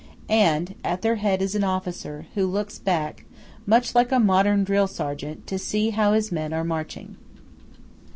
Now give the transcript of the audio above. And at their head is an officer, who looks back, much like a modern drill sergeant, to see how his men are marching.